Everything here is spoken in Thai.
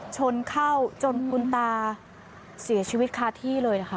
ชนเข้าจนคุณตาเสียชีวิตคาที่เลยนะคะ